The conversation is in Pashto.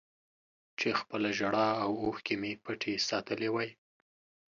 چې خپله ژړا او اوښکې مې پټې ساتلې وای